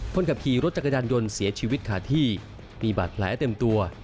คนขับขี่รถจักรยานยนต์เสียชีวิตขาดที่มีบาดแผลเต็มตัว